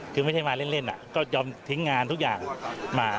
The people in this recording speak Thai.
คือไม่ใช่มาเล่นก็ยอมทิ้งงานทุกอย่างมา